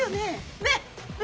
ねっ？